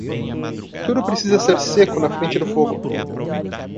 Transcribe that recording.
Tudo precisa ser seco na frente do fogo.